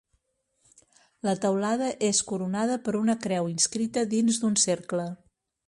La teulada és coronada per una creu inscrita dins d'un cercle.